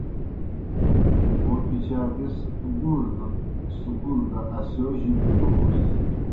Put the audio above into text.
وو پِچا بیْس گوڙہ گہ سکول دہ اسِیو جِب دوݨَس۔